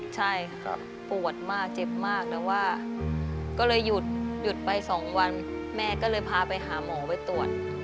ใช่ค่ะปวดมากเจ็บมากแต่ว่าก็เลยหยุดไป๒วันแม่ก็เลยพาไปหาหมอไปตรวจ